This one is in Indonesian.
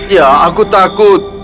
ya aku takut